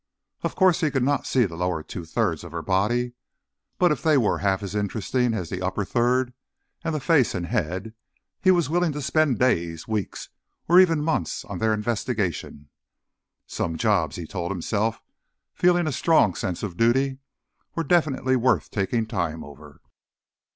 Of course, he could not see the lower two thirds of her body, but if they were half as interesting as the upper third and the face and head, he was willing to spend days, weeks or even months on their investigation. Some jobs, he told himself, feeling a strong sense of duty, were definitely worth taking time over.